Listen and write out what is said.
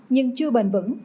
nhưng chưa bền vững